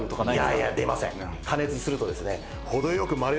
「いやいや出ません」